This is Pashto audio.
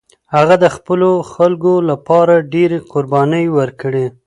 هغه د خپلو خلکو لپاره ډېرې قربانۍ ورکړې.